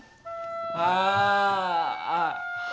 あ！ああ。